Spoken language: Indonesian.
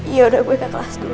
yaudah gue ke kelas dulu